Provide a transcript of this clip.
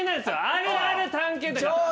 あるある探検隊。